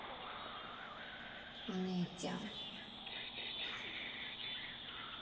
「お姉ちゃん」か。